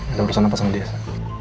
ada urusan apa sama desa